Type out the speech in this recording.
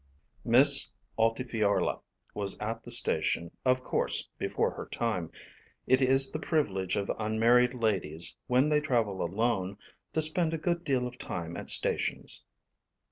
Miss Altifiorla was at the station of course before her time. It is the privilege of unmarried ladies when they travel alone to spend a good deal of time at stations.